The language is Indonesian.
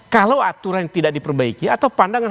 kalau aturan yang tidak diperbaiki atau pandangan